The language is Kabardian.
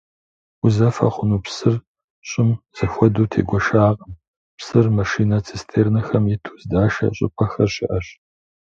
Узэфэ хъуну псыр щӀым зэхуэдэу тегуэшакъым, псыр машинэ-цистернэхэм иту здашэ щӀыпӀэхэр щыӀэщ.